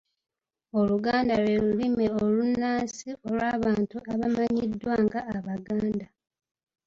Oluganda lwe lulimi olunnansi olw’abantu abamanyiddwa nga Abaganda.